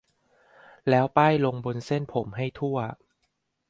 แล้วป้ายลงบนเส้นผมให้ทั่ว